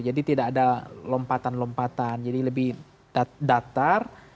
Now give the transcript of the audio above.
tidak ada lompatan lompatan jadi lebih datar